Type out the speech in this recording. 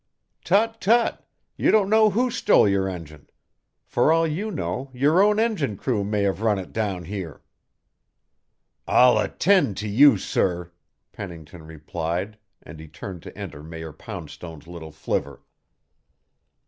"Tut tut! You don't know who stole your engine. For all you know, your own engine crew may have run it down here." "I'll attend to you, sir," Pennington replied, and he turned to enter Mayor Poundstone's little flivver.